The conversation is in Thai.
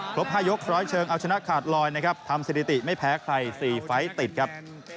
ครบ๕ยกรอยเชิงเอาชนะขาดลอยทำเสนอิติไม่แพ้ใคร๔ไฟต์ติดครับ